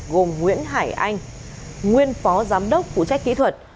gồm nguyễn hải anh nguyên phó giám đốc phụ trách kỹ thuật